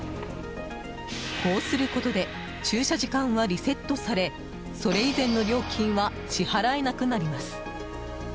こうすることで駐車時間はリセットされそれ以前の料金は支払えなくなります。